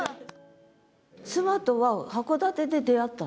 妻とは函館で出会ったの？